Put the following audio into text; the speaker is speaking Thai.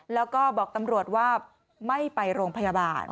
แล้วก็บอกตำรวจว่าไม่ไปโรงพยาบาล